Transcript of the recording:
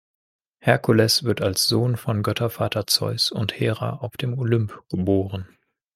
Hercules wird als Sohn von Göttervater Zeus und Hera auf dem Olymp geboren.